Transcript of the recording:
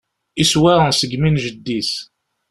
Iswa seg imi n jeddi-s.